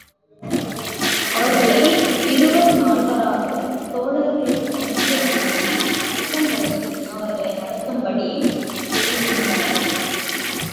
அவர்களை இருவர் நால்வராகத் தோழர்களிடம் பிரித்து அனுப்பி, நல்ல முறையில் அவர்களை நடத்தும்படி சொல்லியிருந்தார்கள்.